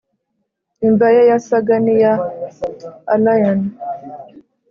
imva ye yasaga niya allayne.